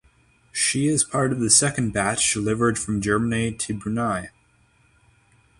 She is part of the second batch delivered from Germany to Brunei.